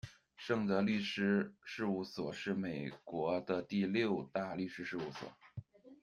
盛德律师事务所，是美国的第六大律师事务所。